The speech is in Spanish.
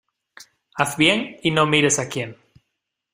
Haz bien y no mires a quien.